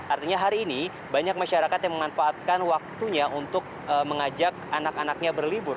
artinya hari ini banyak masyarakat yang memanfaatkan waktunya untuk mengajak anak anaknya berlibur